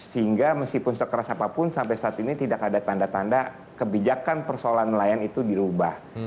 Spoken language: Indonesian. sehingga meskipun sekeras apapun sampai saat ini tidak ada tanda tanda kebijakan persoalan nelayan itu dirubah